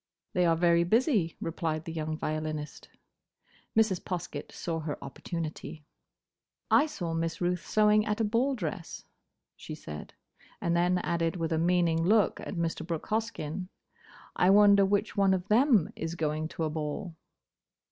"They are very busy," replied the young violinist. Mrs. Poskett saw her opportunity. "I saw Miss Ruth sewing at a ball dress," she said; and then added with a meaning look at Mr. Brooke Hoskyn, "I wonder which of them is going to a ball?"